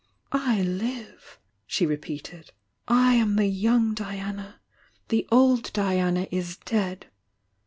"I live!" she repeated. "I am the young Diana! — the old Diana is dead!"